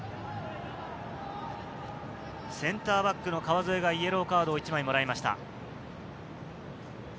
センターバックの川副がイエローカードを１枚もらいました。